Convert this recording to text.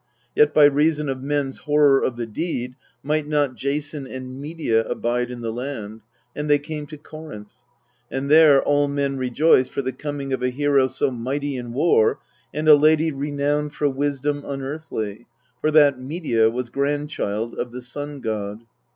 Yet by reason of men's horror of the deed might not Jason and Medea abide in the land, and they came to Corinth. And there all men re joiced for the coming of a hero so mighty in war and a lady renowned for wisdom unearthly, for that Medea was grand child of the Sun god.